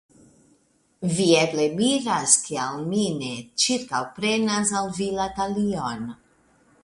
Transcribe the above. Vi eble miras, kial mi ne ĉirkaŭprenas al vi la talion.